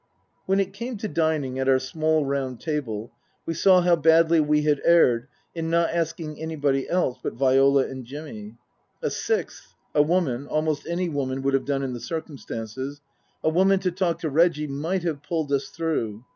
When it came to dining at our small round table we saw how badly we had erred in not asking anybody else but Viola and Jimmy. A sixth, a woman (almost any woman would have done in the circumstances), a woman to talk to Reggie might have pulled us through.